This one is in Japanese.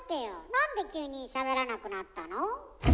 なんで急にしゃべらなくなったの？